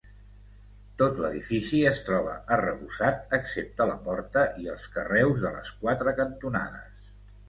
Tot l'edifici es troba arrebossat excepte la porta i els carreus de les quatre cantonades.